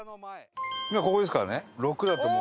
今ここですからね。